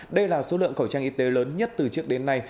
đây là số lượng khẩu trang y tế lớn nhất từ trước đến nay